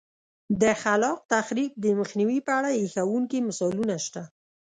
د خلاق تخریب د مخنیوي په اړه هیښوونکي مثالونه شته